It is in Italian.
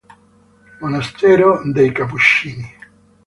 Monastero dei Cappuccini